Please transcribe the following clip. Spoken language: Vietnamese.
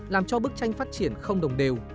làm cho bức tranh phát triển không đồng đều